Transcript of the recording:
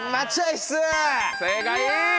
正解！